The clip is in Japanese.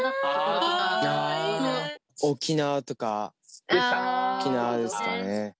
沖縄とか沖縄ですかね。